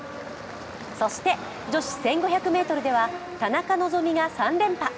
そして、女子１５００ｍでは田中希実が３連覇。